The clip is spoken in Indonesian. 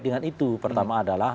dengan itu pertama adalah